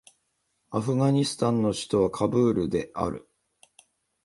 アフガニスタンの首都はカブールである